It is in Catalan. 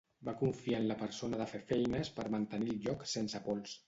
Va confiar en la persona de fer feines per mantenir el lloc sense pols.